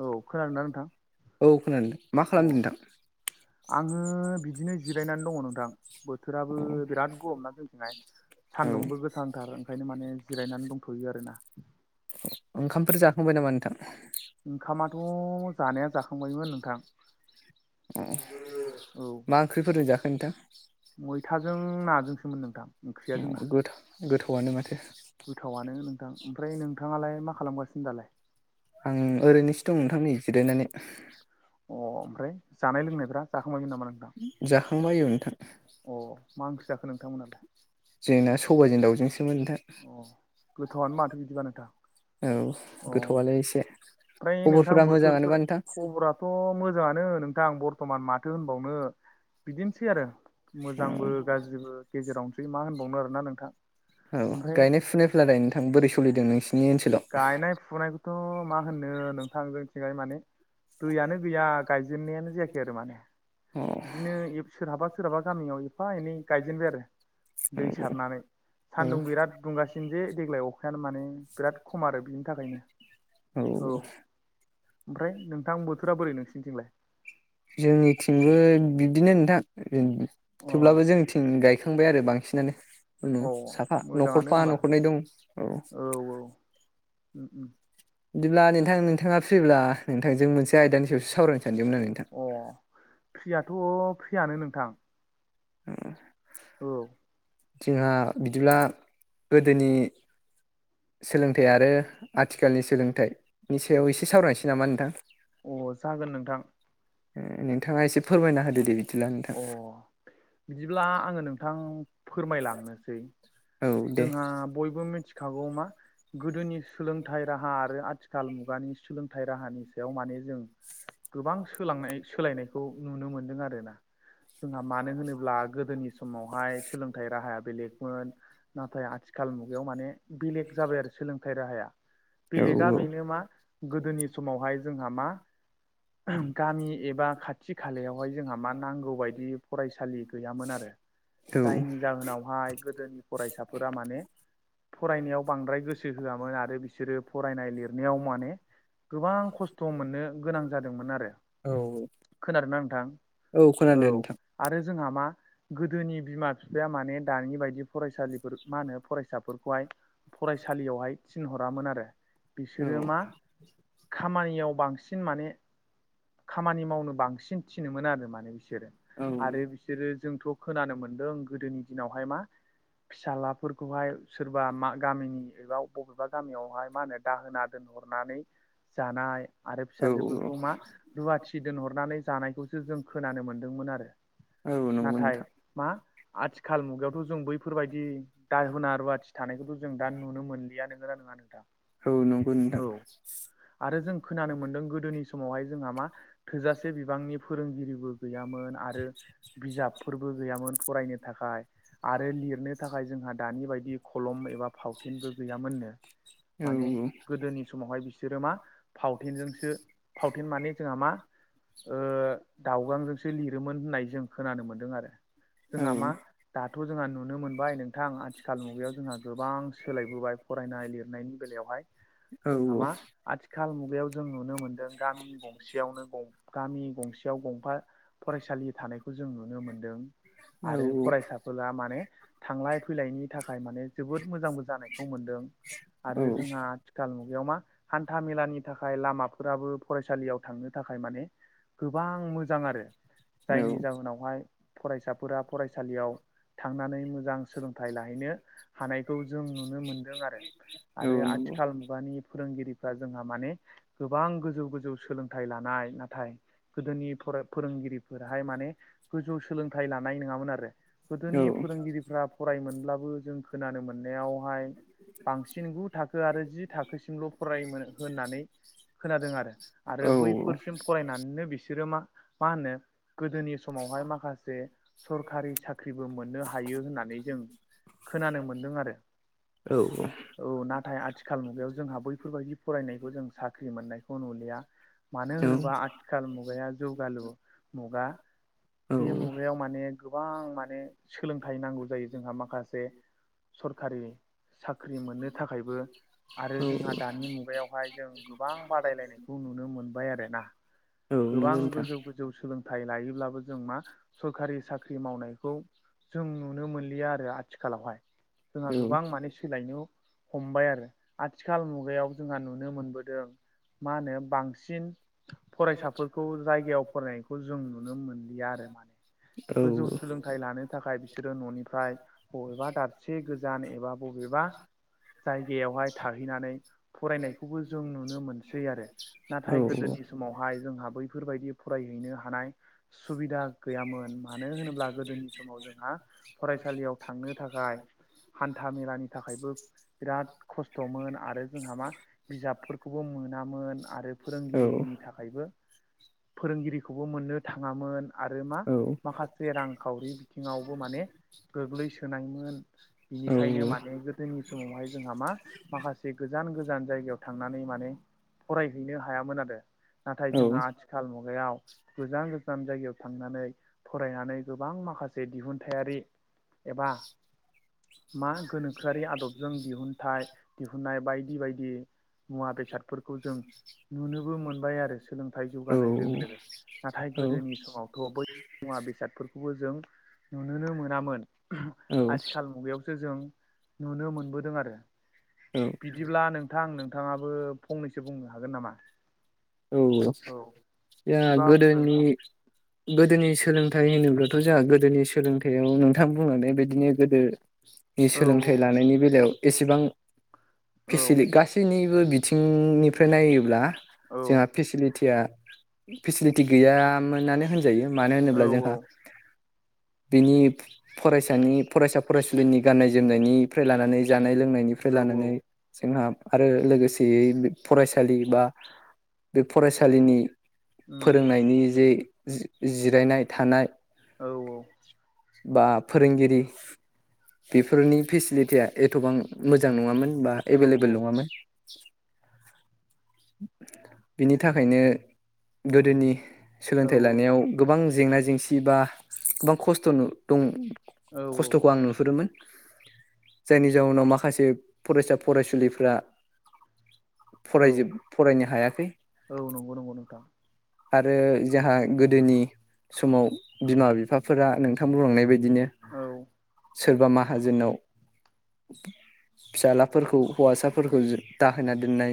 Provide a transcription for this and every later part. औ खोनादोंना नोंथां औ खोनादों मा अ खालामदों नोंथां आङो बिदिनो जिरायनानै दङ नोंथां औ बोथोराबो बिराद गरमना जोंथिहाय औ सान्दुंबो गोसा -थार ओंखायनो माने जिरायनानै दंथ'यो आरो ना ओंखामफोर जाखांबाय नामा नोंथां ओंखामाथ' जानाया जाखां अ औ मा ओंख्रिफोरजों जाखो नोंथां मैथाजों नाजोंसोमोन नोंथां ओंख्रिया जोंना गोथावानो माथो गोथावानो नोंथां ओमफ्राय नोंथाङालाय मा खालामगासिनो दालाय आं ओरैनोसो दं नोंथां नै जिरायनानै अ ओमफ्राय जानाय लोंनायफ्रा जाखांबायमोन नामा नोंथां जाखांबाय ओं नोंथां अ मा ओंख्रै जाखो नोंथांमोनहालाय जोंना सबायजों दाउजोंसोमोन नोंथां अ गोथावनो माथो बिदिबा नोंथां औ अ गोथौआलाय एसे ओमफ्राय नोंथां खबरफोरा मोजाङानोबा बोथोरफोर नोंथां खबराथ' मोजाङानो नोंथां बर्थमान माथो होनबावनो बिदिनोसै आरो मोजांबो गाज्रिबो गेजेरावनोसै मा होनबावनो आरोना नोंथां औ ओमफ्राय गायनाय फुनायफ्रालाय नोंथां बोरै सोलिदों नोंसिनि ओनसोलाव गायनाय फुनायखौथ' मा होननो नोंथां जोंथिंजाय माने दैयानो गैया गायजेननायानो जायाखै आरो माने बिदिनो सोरहाबा सोरहाबा गामियाव एफा एनै गायजेनबाय आरो दै नोंसिनि ओनसोलाव अ सारनानै औ सान्दुं बिराद दुंगासिनो जे देग्लाय अखायानो माने बिराद खम आरो बिनि थाखायनो औ ओमफ्राय नोंथां बोथोरा बोरै नोंसिनिथिंलाय जोंनिथिंबो बिदिनो नोंथां अ थेवब्लाबो जोंथिं गाय- खांबाय आरो बांसिनानो उनु औ साफा मोजाङानो न'खरफा होमबा न'खरनै दं औ उम उम बिदिब्ला नोंथां नोंथाङा फ्रिब्ला नोंथांजों मोनसे आयदानि सायावसो सावरायनो सानदोंमोन आं नोंथां अ फ्रियाथ' फ्रियानो नोंथां अ औ जोंहा बिदिब्ला गोदोनि सोलोंथाइ आरो आथिखालनि सोलोंथाइनि सायाव एसे सावरायनोसै नामा नोंथां अ जागोन नोंथां नोंथाङा एसे फोरमायना होदो दे बिदिब्ला नोंथां अ बिदिब्ला आङो नोंथां फोरमायलांनोसै औ दे जोंहा बयबो मिथि खागौ मा गोदोनि सोलोंथाइ राहा आरो आथि खाल मुगानि सोलोंथाइ राहानि सायाव माने जों गोबां सोलांनाय सोलायनाय खौ नुनो मोन्दों आरोना जोंहा मानो होनोब्ला गोदोनि समावहाय सोलोंथाइ राहाया बेलेगमोन नाथाय आथिखाल मुगायाव माने बेलेग जाबाय आरो सोलोंथाइ राहाया औ बेलेगा बेनो मा गोदोनि समावहाय जोंहा मा गामि एबा खा थि खालायावहाय जोंहा मा नांगौ बायदि फरायसालि गैयामोन आरो औ जायनि जाहोनावहाय गोदोनि फरायसाफोरा माने फरायनायाव बांद्राय गोसो होआमोन आरो बिसोरो फरायनाय लिरनायाव माने गोबां खस्थ' मोननो गोनां जादोंमोन आरो औ खोनादों नोंथां औ खोनादो नोंथां आरो जोंहा मा गोदोनि बिमा बिफाया माने दानि बायदि फरायसालिफोर मा होनो फरायसाफोरखौहाय फरायसालियावहाय थिनहरामोन आरो औ बिसोरो मा खामानियाव बांसिन माने खामानि मावनो बांसिन थिनोमोन आरो माने बि बिसोरो औ आरो बिसोरो जोंथ' खोनानो मोनदों गोदोनि दिनावहाय मा फिसाज्लाफोरखौहाय सोरबा मा गामिनि एबा बबेबा गामियावहाय मा होनो दाहोना दोनहरनानै जानाय आरो औ फिसाजोफोरखौ मा रुवाथि दोनहरनानै जानायखौसो जों खोनानो मोनदोंमोन आरो औ नंगौ नाथाय नोंथां मा आथिखाल मुगायावथ' जों बैफोरबायदि दा होना रुवाथि थानायखौथ' जों दा नुनो मोनलिया नोंङा नङा नोंथा औ नंगौ नोंथां आरो जों खोनानो मोनदों गोदोनि समावहाय जोंहा मा थोजासे बिबांनि फोरोंगिरिबो गैयामोन आरो बिजाबफोरबो गैयामोन फरायनो थाखाय आरो लिरनो थाखाय जोंहा दानि बायदि खलम एबा फावथेनबो गैयामोननो माने जोंहा गोदोनि समावहाय बिसोरो मा फावथेनजोंसो फावथेन माने जोंहा मा ऐ दाउगांजोंसो सो लिरोमोन होननाय जों खोनानो मोन्दों आरो जोंहा मा दाथ' जोंहा नुनो मोनबाय नोंथां आथिखाल मुगायाव जोंहा गोबां सोलायबोबाय फरायनाय लिरनायनि बेलायावहाय जोंहामा आथिखाल मुगायाव जों नुनो मोनदों गामि गंसेयावनो गामि गंसेयाव गंफा फरायसालि थानायखौ जों नुनो मोनदों आरो फरायसा होला माने थांलाय फैलायनि थाखाय माने जोबोद मोजांबो जानायखौ मोनदों आरो जोंहा आथिखाल मुगायाव मा हान्था मेलानि थाखाय लामाफोराबो फरायसालियाव थांनो थाखाय माने गोबां मोजां आरो जायनि जाहोनावहाय फरायसाफोरा फरायसालियाव थांनानै मोजां सोलों सोलोंथाय लाहैनो हानायखौ जों नुनो मोनदों आरो आरो आथिखाल मुगानि फोरोंगिरिफ्रा जोंहा माने गोबां गोजौ गोजौ सोलोंथाइ लानाय नाथाय गोदोनि फ फोरोंगिरि फोराहाय माने गोजौ सोलोंथाइ लानाय नङामोन आरो गोदोनि फोरोंगिरिफ्रा फरायो मोनब्लाबो जों खोनानो मोननायावहाय बांसिन गु थाखो आरो जि थाखोसिमल' फरायोमोन होननानै खोनादों आरो आरो बैफोरसिम फरायनानैनो बिसोरो मा मा होनो गोदोनि समावहाय माखासे सरखारि साख्रिबो मोननो हायो होननानै जों खोनानो मोन्दों आरो औ औ औ नाथाय आथिखाल मुगायाव जोंहा बैफोरबायदि फरायनायखौ जों साख्रि मोननायखौ नुलिया मानो होनोबा आथिखाल मुगाया जौगालु मुगा बे मुगायाव माने गोबां माने सोलोंथाइ नांगौ जायो जोंहा माखासे सरखारि साख्रि मोननो थाखायबो आरो जोंहा दानि मुगायावहाय जों गोबां बादायलायनायखौ नुनो मोनबाय आरोना गोबां गोजौ गोजौ सोलोंथाय सोलोंथाय लायोब्लाबो जों मा सरखारि साख्रि मावनायखौ जों नुनो मोनलिया आरो आथिखालावहाय जोंहा गोबां माने सोलायनो हमबाय आरो आथिखाल मुगायाव जोंहा नुनो मोनबोदों मा होनो बांसिन फरायसाफोरखौ जायगायाव फरायनायखौ जों नुनो मोनलिया आरो माने गोजौ सोलोंथाय थाय लानो थाखाय बिसोरो न'निफ्राय बबेबा दाबसे गोजान एबा बबेबा जायगायावहाय थाहैनानै फरायनायखौबो जों नुनो मोनसै आरो नाथाय गोदोनि सम समावहाय जोंहा बैफोरबायदि फरायहैनो हानाय सुबिदा गैयामोन मानो होनोब्ला गोदोनि समाव जोंहा फरायसालियाव थांनो थाखाय हान्था मेलानि थाखायबो बिराद खस्थ'मोन आरो जोंहा मा बिजाबफोरखौबो मोनामोन आरो फोरोंगिरिनि नि थाखायबो फोरोंगिरिखौबो मोननो थाङामोन आरो मा माखासे रांखावरि बिथिङावबो माने गोग्लैसोनायमोन बिनिखायनो माने जोंनि समावहाय जोंहा मा माखासे गोजान गोजान जायगायाव थांनानै माने फरायहैनो हायामोन आरो नाथाय जोंहा आथिखाल मुगायाव गोजान गोजान जायगायाव थांनानै फरायनानै गोबां माखासे दिहुनथायारि एबा मा गोनोखोआरि आदबजों दिहुनथाइ दिहुननाय बायदि बायदि मुवा बेसादफोरखौ जों नुनोबो मोनबाय आरो सोलोंथाइ जौगानाय लोगो लोगो। नाथाय गोदोनि समावथ' बै मुवा बेसादफोरखौबो जों नुनोनो मोनामोन आथिखाल मुगायावसो जों नुनो मोनबोदों आरो औ बिदिब्ला नोंथां नोंथाङाबो फंनैसो बुंनो हागोन नामा औ औ बिदिबा बुंदो गोदोनि नोंथां गोदोनि सोलोंथाइ होनोब्लाथ' जोंहा गोदोनि सोलोंथाइयाव नोंथां बुंलांनाय बादिनो गोदो नि औ सोलोंथाइ लानायनि बेलायाव एसेबां औ फेसिलि गासि- गासैनिबो बिथिंनिफ्राय नायोब्ला औ जोहा फेसिलिटिया फेसिलिटि गैया मोननानै होन जायो मानो होनोब्ला जोंहा औ बिनि फरायसानि फरायसा फरायसुलिनि गाननाय जोमनायनिफ्राय लानानै जानाय लोंनाय औ निफ्राय लानानै औ जोंहा आरो लोगोसेयै फरायसालि बा बे फरायसालिनि उम फोरोंनायनि जे जि-जिरायनाय थानाय औ। बा फोरोंगिरि बेफोरनि फेसिलिटिया एथ'बां मोजां नङामोन बा औ एभेलेबोल नङामोन। बिनि थाखायनो गोदोनि सोलोंथाइ औ लानायाव गोबां जेंना जेंसि बा गोबां खस्थ'नो दं। औ खस्थ'खौ औ आं नुहुरोमोन। जायनि जाउनाव माखासे फरायसा फरायसुलिफ्रा औ फरायजोब फरायनो हायाखै। औ नंगौ नंगौ नोंथां। आरो जोहा गोदोनि समाव बिमा बिफा फोरा नोंथां बुंलांनाय बायदिनो औ सोरबा माहाजोननाव फिसालाफोरखौ हौवासाफोरखौ जो दाहोना दोननाय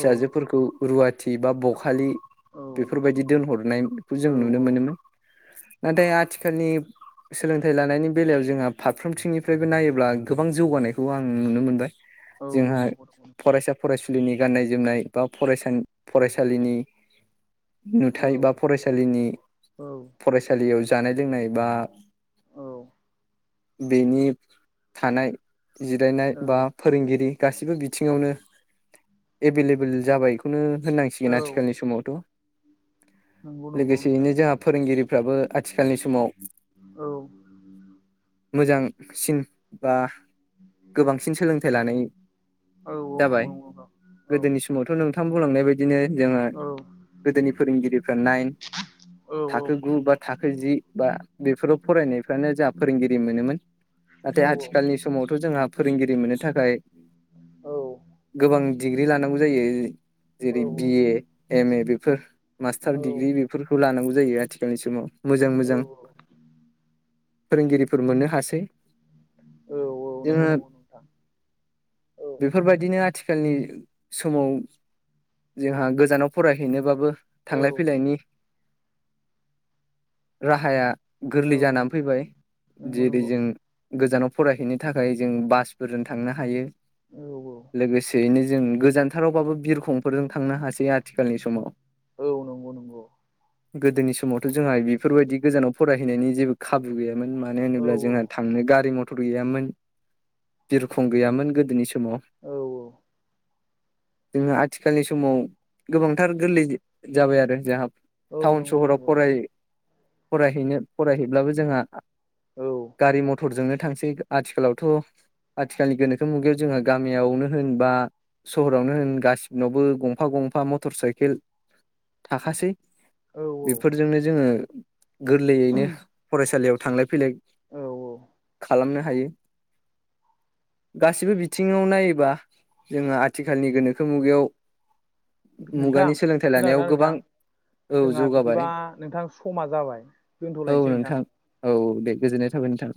औ रुवाथि बा बखालि औ बेफोरबायदि दोनहरनाय औ जों नुनो मोनोमोन। नाथाय आथिखालनि सोलोंथाइ लानायनि बेलायाव जोंहा फारफ्रोमथिंनिफ्रायबो नायोब्ला गोबां जौगानायखौ आं नुनो मोनो। औ जोंहा नंगौ नंगौ नोंथां फरायसा फरायसुलिनि गाननाय जोमनाय बा फरायसानि फरायसालिनि औ नुथाय बा फरायसालिनि औ फरायसालियाव जानाय लोंनाय बा औ बेनि थानाय जिरायनाय बा फोरोंगिरि गासिबो बिथिङावनो एभेलेबोेल जाबायखौनो होननांसिगोन औ आथिखालनि समावथ' नंगौ नंगौ नोंथां लोगोसेयैनो जोहा फोरोंगिरिफ्राबो आथिखालनि समाव औ। मोजांसिन बा गोबांसिन सोलोंथाइ लानाय औ औ जाबाय। नंगौ नंगौ नोंथां गोदोनि समावथ' नोंथां बुंलांनाय बायदिनो जोङा औ गोदोनि फोरोंगिरिफ्रा नाइन औ थाखो गु बा थाखो जि बा बेफोराव फरायनायफ्रानो जोआ फोरोंगिरि मोनोमोन। औ नाथाय आथिखालनि समावथ' जोंहा फोरोंगिरि मोननो थाखाय औ गोबां डिग्रि लानांगौ जायो जेरै बि ए, एम ए बेफोर मास्टार दिडिग्रि बि फोरखौ लानांगौ जायो आथिखालनि समाव मोजां मोजां। फोरोंगिरिफोर मोननो हासै। नंगौ जोङो नंगौ नोंथां औ बेफोरबायदिनो थिखालनि समाव जोंहा गोजानाव फरायहैनोबाबो औ थांलाय फैलायनि राहाया औ गोरलै जाना फैबाय नंगौ जेरै नंगौ जों गोजानाव फरायहैनो थाखाय जों बासफोरजों थांनो हायो। औ औ। लोगोसेयैनो जों गोजानथारावबाबो बिरखं फोरजों थांनो हासै आथिखालनि समाव औ नंगौ नंगौ गोदोनि समावथ' जोंहा बेफोरबायदि गोजानाव फरायहैनायनि जेबो खाबु गैयामोन मानो औ औ होनोब्ला जोंहा थां नो गारि मथर गैयामोन बिरखं गैयामोन गोदोनि समाव। औ औ। जोङो आथिखालनि समाव गोबांथार गोरलै जाबाय आरो जोंहा। औ टाउन नंगौ सहराव नंगौ फराय फरायहैनो फरायहैब्लाबो जोंहा औ गारि मथरजोंनो थांसै। आथिखालावथ' आथिखालनि गोनोखो मुगायाव जोंहा गामियावनो होनबा सहरावनो होन गासिबनावबो गंफा-गंफा मटर साइकेल थाखासै। बेफोरजोंनो जोङो गोरलैयैनो फरायसालियाव थांलाय फैलाय। औ औ औ खालामनो हायो गासिबो बिथिङाव नायोबा जोङो थिखालनि गोनोखो मुगायाव नोंथां मुगानि सोलोंथाइ लानायाव खोनादोंना नोंथां गोबां औ जोंहा जौगाबाय बिदिबा नोंथां समा जाबाय दोनथ'लायनोसै नोंथां। औ दे गोजोननाय थाबाय नोंथां।